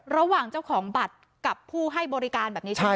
ระหว่างเจ้าของบัตรกับผู้ให้บริการแบบนี้ใช่ไหม